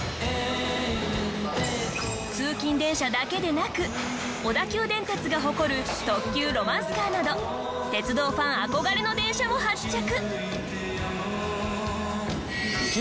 通勤電車だけでなく小田急電鉄が誇る特急ロマンスカーなど鉄道ファン憧れの電車も発着。